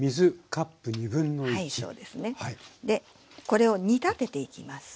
これを煮立てていきます。